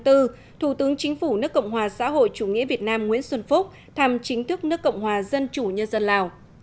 thủ tướng chính phủ nước cộng hòa xã hội chủ nghĩa việt nam nguyễn xuân phúc thăm chính thức nước cộng hòa dân chủ nhân dân lào